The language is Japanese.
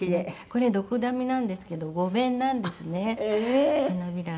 これドクダミなんですけど５弁なんですね花びらが。